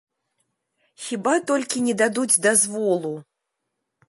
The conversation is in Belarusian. Хіба толькі не дадуць дазволу?